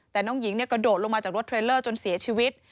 แต่น้องหญิงกระโดดลงมาจากรถเทรลเลอร์จนเสียชีวิต